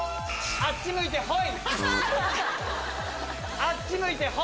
あっち向いてホイ。